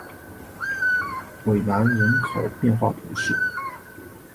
韦南人口变化图示